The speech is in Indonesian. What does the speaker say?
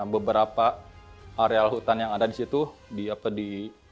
beberapa areal hutan yang ada di situ di